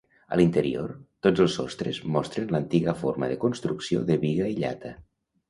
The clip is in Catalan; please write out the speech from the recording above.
A l'interior, tots els sostres mostren l'antiga forma de construcció de biga i llata.